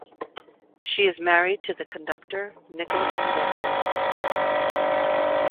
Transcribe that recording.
She is married to the conductor Nikolaus Netzer.